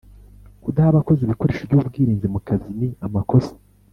Kudaha abakozi ibikoresho by’ubwirinzi mu kazi ni amakosa